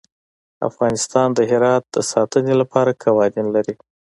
افغانستان د هرات د ساتنې لپاره قوانین لري.